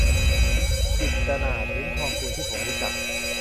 จิตตนาถ ลิ้มทองกุล ที่ผมรู้จัก